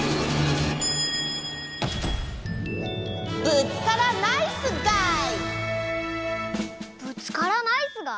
ぶつからナイス貝？